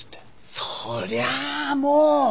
そりゃあもう！